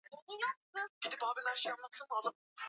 amesisitiza kwamba mwaka elfu mbili na kumi nne lazima timu